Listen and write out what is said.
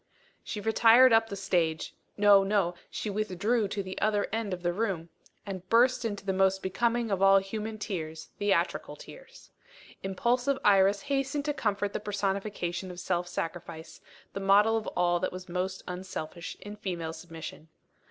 She retired up the stage no, no; she withdrew to the other end of the room and burst into the most becoming of all human tears, theatrical tears. Impulsive Iris hastened to comfort the personification of self sacrifice, the model of all that was most unselfish in female submission.